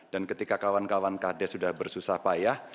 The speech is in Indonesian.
dan ketika kawan kawan kd sudah bersusah payah